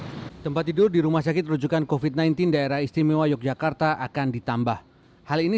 hai tempat tidur di rumah sakit rujukan kofit sembilan belas daerah istimewa yogyakarta akan ditambah hal ini